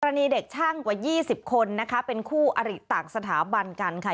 อันนี้เด็กช่างกว่า๒๐คนนะคะเป็นคู่อริต่างสถาบันกันค่ะ